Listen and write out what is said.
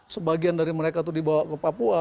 sebagian dari mereka itu dibawa ke papua